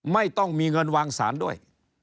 ไม่ต้องมีเงินวางสารด้วย